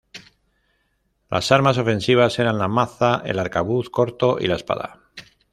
Las armas ofensivas eran la maza, el arcabuz corto y la espada.